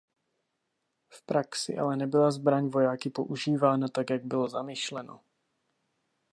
V praxi ale nebyla zbraň vojáky používána tak jak bylo zamýšleno.